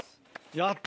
やった。